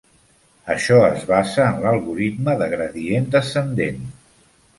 Això es basa en l'algoritme de gradient descendent.